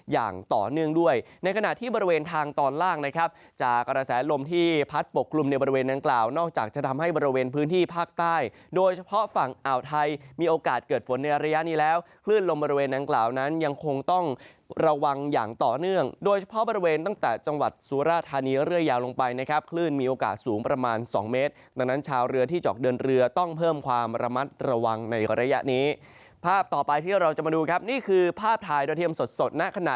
อย่างต่อเนื่องด้วยในขณะที่บริเวณทางตอนล่างนะครับจะกระแสลมที่พัดปกกลุ่มในบริเวณนั้นกล่าวนอกจากจะทำให้บริเวณพื้นที่ภาคใต้โดยเฉพาะฝั่งอ่าวไทยมีโอกาสเกิดฝนในระยะนี้แล้วคลื่นลมบริเวณนั้นกล่าวนั้นยังคงต้องระวังอย่างต่อเนื่องโดยเฉพาะบริเวณตั้งแต่จังหวัดสุรธาน